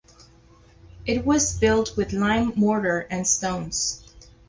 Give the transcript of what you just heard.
It was built with lime mortar and stones.